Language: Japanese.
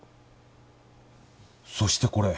そしてこれ。